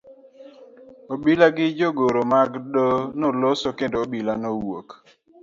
Obila gi jagoro mar doho noloso kendo obila nowuok.